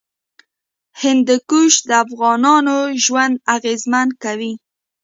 هندوکش د افغانانو ژوند اغېزمن کوي.